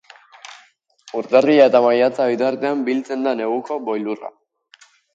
Urtarrila eta maiatza bitartean biltzen da neguko boilurra.